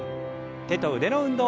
手と腕の運動から。